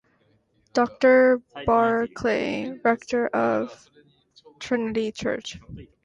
Doctor Barclay, Rector of Trinity Church.